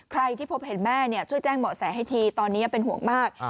ใครที่พบเห็นแม่ช่วยแจ้งเหมาะแสให้ทีตอนนี้เป็นห่วงมาก